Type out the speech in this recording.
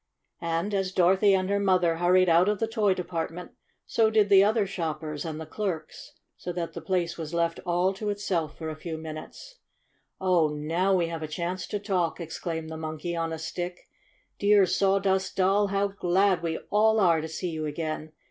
And as Dorothy and her mother hurried out of the toy department, so did the other shoppers and the clerks, so that the place was left all to itself for a few minutes. ZIO "OH, DEAR ME!" Ill "Oh, now we have a chance to talk!" exclaimed the Monkey on a Stick. "Dear Sawdust Doll, how glad we all are to see you again